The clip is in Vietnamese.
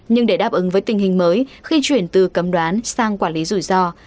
nhưng để đáp ứng với tình hình mới khi chuyển từ cấm đoán sang quản lý rủi ro